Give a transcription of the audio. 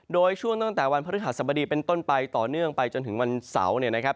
โดยช่วงตั้งแต่วันพฤหัสบดีเป็นต้นไปต่อเนื่องไปจนถึงวันเสาร์เนี่ยนะครับ